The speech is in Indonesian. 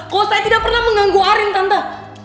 kalau saya tidak pernah mengganggu arim tante